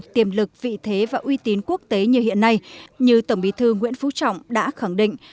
tiềm lực vị thế và uy tín quốc tế như hiện nay như tổng bí thư nguyễn phú trọng đã khẳng định